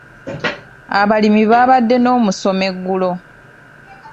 Abalimi baabadde n'omusomo eggulo.